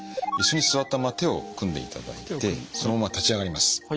椅子に座ったまま手を組んでいただいてそのまま立ち上がります。